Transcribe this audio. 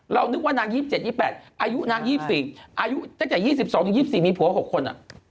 นึกว่านาง๒๗๒๘อายุนาง๒๔อายุตั้งแต่๒๒๒๔มีผัว๖คน